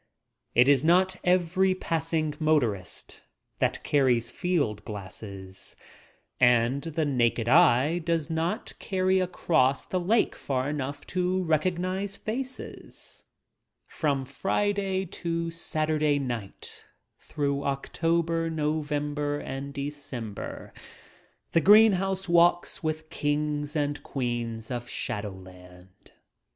It is not every passing motorist that carries field glasses — and the naked eye does .. recognize r* *■ 22 DUCK BLINDS not carry across the lake far enough to faces — From Friday to Sunday night through October, November and December, the greenhouse walks with kings and queens of shadowland.